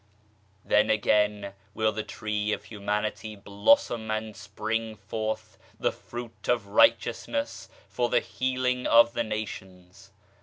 28 THE LIGHT OF TRUTH Then again will the Tree of Humanity blossom and bring forth the fruit of Righteousness for the healing of the nations.